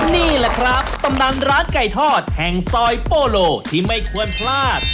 นี่แหละครับตำนานร้านไก่ทอดแห่งซอยโปโลที่ไม่ควรพลาด